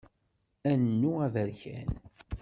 Anu aberkan.